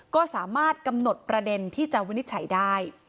ก็สามารถกำหนดประเด็นที่จะวินิจฉัยได้